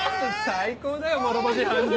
最高だよ諸星判事！